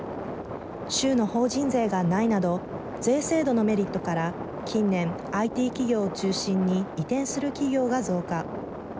州の法人税がないなど税制度のメリットから近年ＩＴ企業を中心に移転する企業が増加。